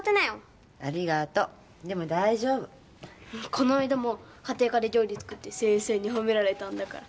この間も家庭科で料理作って先生に褒められたんだから。